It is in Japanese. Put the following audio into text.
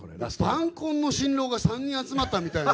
晩婚の新郎が３人集まったみたいな。